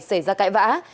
xảy ra cãi vã